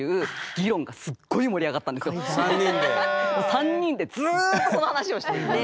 ３人でずっとその話をしていて。